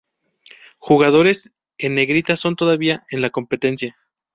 Jugadores en negrita son todavía en la competencia.